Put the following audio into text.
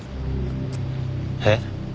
えっ？